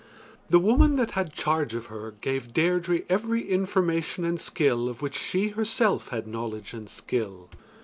The woman that had charge of her, gave Deirdre every information and skill of which she herself had knowledge and skill.